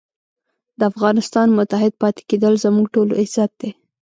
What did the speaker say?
د افغانستان متحد پاتې کېدل زموږ ټولو عزت دی.